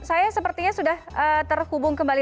saya sepertinya sudah terhubung kembali